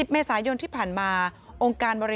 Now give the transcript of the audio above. ๑๐เมษายนที่ผ่านมา